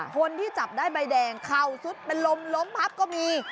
คนที่จับได้ใบแดงเข่าสุดเป็นลมล้มพับก็มี